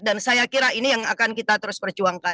dan saya kira ini yang akan kita terus perjuangkan